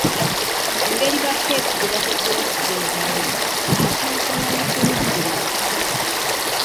Engeri ba Keeti gye batatera kubeerawo, akonkona ne ku lujji lwaffe.